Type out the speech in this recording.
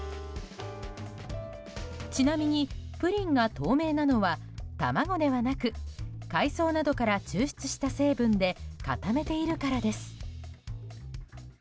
ちなみにプリンが透明なのは卵ではなく海藻などから抽出した成分で固めているからです。